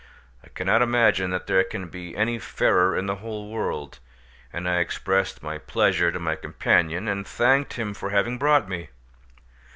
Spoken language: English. I cannot imagine that there can be any fairer in the whole world, and I expressed my pleasure to my companion, and thanked him for having brought me.